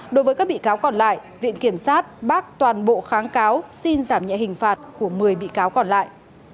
đối với các bị cáo còn lại viện kiểm sát bác toàn bộ kháng cáo xin giảm nhẹ hình phạt của một mươi bị cáo còn lại